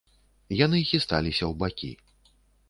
Яны хісталіся ў бакі.